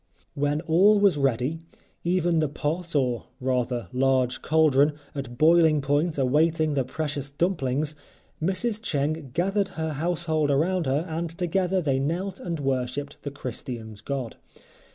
When all was ready, even the pot or rather large caldron, at boiling point awaiting the precious dumplings, Mrs. Cheng gathered her household around her and together they knelt and worshipped the Christian's God.